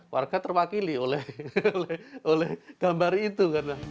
warga terwakili oleh gambar itu